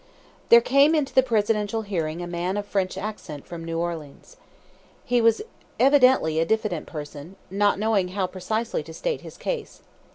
There came into the presidential hearing a man of French accent from New Orleans. He was evidently a diffident person, not knowing how precisely to state his case.